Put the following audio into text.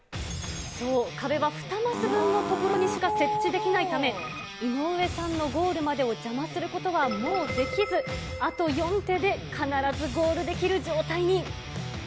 そう、壁は２マス分の所にしか設置できないため、井上さんのゴールまでを邪魔することはもうできず、あと４手で必ずゴールできる状態に。